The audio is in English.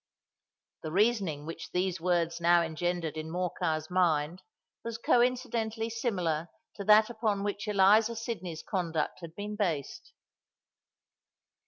_" The reasoning which these words now engendered in Morcar's mind, was coincidentally similar to that upon which Eliza Sydney's conduct had been based.